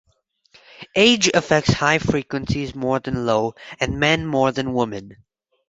Age affects high frequencies more than low, and men more than women.